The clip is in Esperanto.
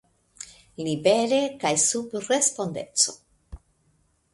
Libere kaj sub respondeco!